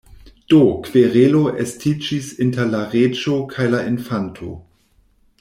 Do, kverelo estiĝis inter la reĝo kaj la Infanto.